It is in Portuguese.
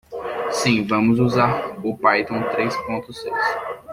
Sim, vamos usar o Python três pontos seis.